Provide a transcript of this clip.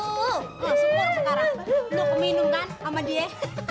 nah syukur sekarang lu keminum kan sama dia